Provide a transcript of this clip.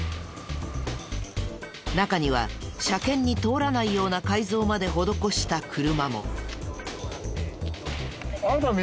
中には車検に通らないような改造まで施した車も。